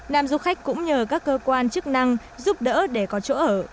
nam du khách cũng nhờ các cơ quan chức năng giúp đỡ để có chỗ ở